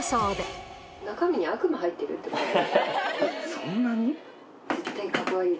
そんなに？